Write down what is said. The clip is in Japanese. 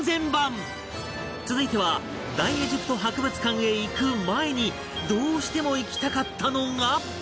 続いては大エジプト博物館へ行く前にどうしても行きたかったのが